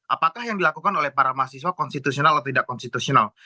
apakah yang dilakukan oleh para mahasiswa konstitusional atau tidak konstitusional